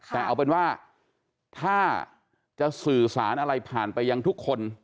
แต่เอาเป็นว่าถ้าจะสื่อสารอะไรผ่านไปยังทุกคน